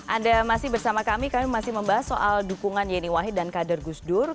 anda masih bersama kami kami masih membahas soal dukungan yeni wahid dan kader gusdur